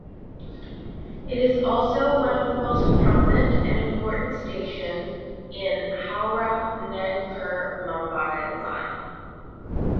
It is also one of the most prominent and important station in Howrah–Nagpur–Mumbai line.